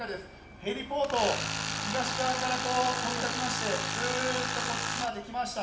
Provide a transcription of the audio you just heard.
ヘリポート東側から飛び立ちましてずっとこっちまで来ました。